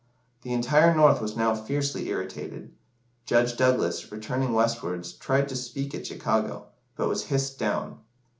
The entire North was now fiercely irritated. Judge Douglas, returning westwards, tried to speak at Chicago, but was hissed down.